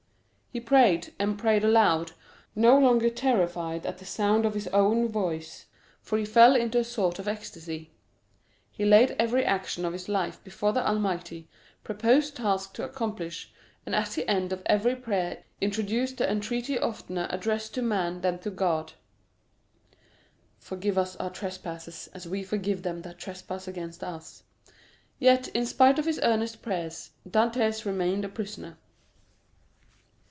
He prayed, and prayed aloud, no longer terrified at the sound of his own voice, for he fell into a sort of ecstasy. He laid every action of his life before the Almighty, proposed tasks to accomplish, and at the end of every prayer introduced the entreaty oftener addressed to man than to God: "Forgive us our trespasses as we forgive them that trespass against us." Yet in spite of his earnest prayers, Dantès remained a prisoner.